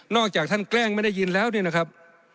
จากท่านแกล้งไม่ได้ยินแล้วเนี่ยนะครับ